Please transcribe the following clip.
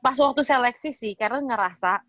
pas waktu seleksi sih karena ngerasa